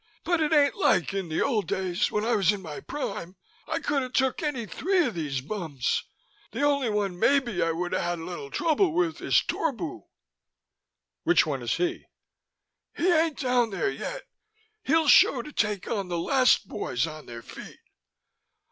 "But it ain't like in the old days when I was in my prime. I could've took any three of these bums. The only one maybe I woulda had a little trouble with is Torbu." "Which one is he?" "He ain't down there yet; he'll show to take on the last boys on their feet."